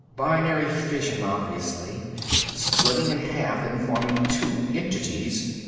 _ Binary fission, obviously. Splitting in half and forming two entities.